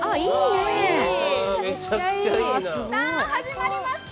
さあ、始まりました。